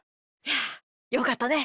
よかったね。